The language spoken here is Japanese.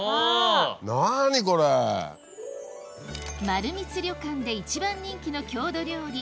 まるみつ旅館で一番人気の郷土料理